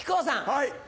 はい。